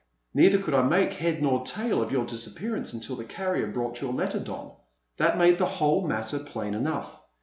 Neither could I make head nor tail of your disappearance until the carrier brought your letter, Don. That made the whole matter plain enough.